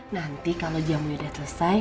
nanti kalau jamunya sudah selesai